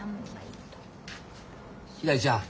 ひらりちゃん。